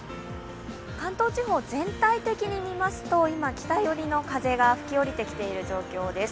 関東地方全体的にみますと、今、北寄りの風が吹きおりてきている状況です。